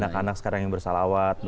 anak anak sekarang yang bersalawat